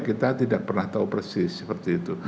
kita tidak pernah tahu persis seperti itu